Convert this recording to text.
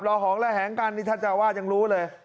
รอของและแหงกันนิทัศจาวาชน์ยังรู้เลย